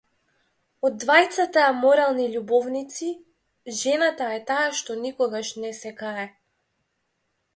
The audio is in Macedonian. Од двајцата аморални љубовници, жената е таа што никогаш не се кае.